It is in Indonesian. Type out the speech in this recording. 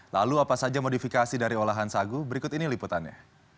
lalu apa saja modifikasi dari olahan sagu berikut ini liputannya